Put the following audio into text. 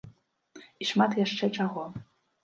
І шмат яшчэ чаго.